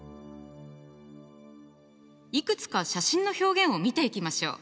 いくつか写真の表現を見ていきましょう。